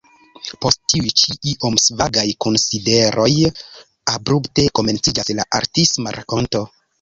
Post tiuj ĉi iom svagaj konsideroj abrupte komenciĝas la artisma rakonto.